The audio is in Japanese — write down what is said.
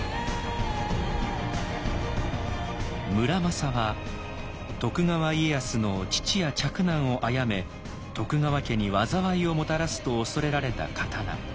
「村正」は徳川家康の父や嫡男を殺め徳川家に禍をもたらすと恐れられた刀。